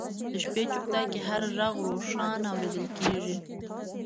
د شپې چوپتیا کې هر ږغ روښانه اورېدل کېږي.